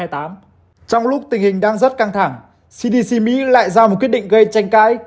trong lúc tình hình đang rất căng thẳng cdc mỹ lại ra một quyết định gây tranh cãi